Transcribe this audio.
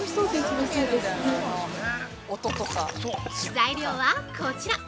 ◆材料はこちら。